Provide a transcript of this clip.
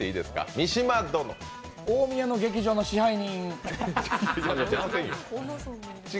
大宮の劇場の支配人？